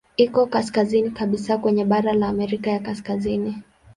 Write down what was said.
Iko kaskazini kabisa kwenye bara la Amerika ya Kaskazini.